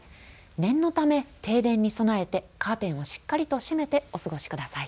念のため停電に備えてカーテンをしっかりと閉めてお過ごしください。